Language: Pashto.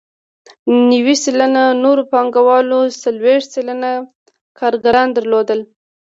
نوي سلنه نورو پانګوالو څلوېښت سلنه کارګران درلودل